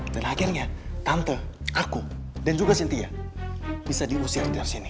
dan akhirnya tante aku dan juga siktya bisa diusir dari sini